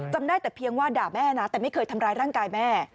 จำได้แต่เพียงว่าด่าแม่นะแต่ไม่เคยทำร้ายร่างกายแม่